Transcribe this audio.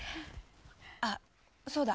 あっそうだ。